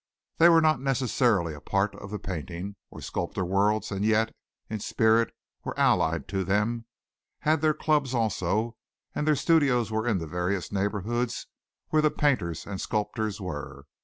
These were not necessarily a part of the painting or sculpture worlds and yet, in spirit, were allied to them, had their clubs also, and their studios were in the various neighborhoods where the painters and sculptors were.